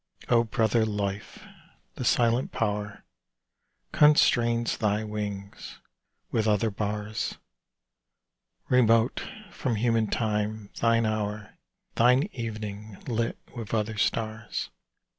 O brother life! the silent Pow'r Constrains thy wings with other bars; Remote from human time thine hour, Thine evening lit with other stars.